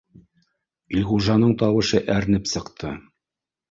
— Илғужаның тауышы әрнеп сыҡты